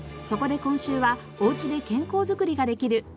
そこで今週はおうちで健康づくりができる